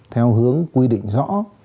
theo hướng quy định rõ